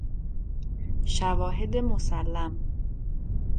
شواهد مسلم